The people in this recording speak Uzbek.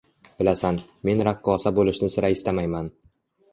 Bilasan, men raqqosa bo`lishni sira istamayman